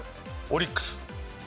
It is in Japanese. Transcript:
オリックス。